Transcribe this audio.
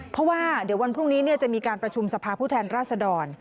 เพราะว่าเดี๋ยววันพรุ่งนี้จะมีการประชุมสภาพผู้แทนราชดร